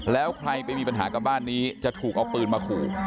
แล้วใครไปมีปัญหากับบ้านนี้จะถูกเอาปืนมาขู่